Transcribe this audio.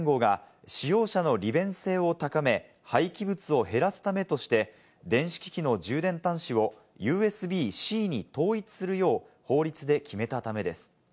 ＥＵ＝ヨーロッパ連合が使用者の利便性を高め、廃棄物を減らすためとして、電子機器の充電端子をＵＳＢ−Ｃに統一するよう法律で決めたためです。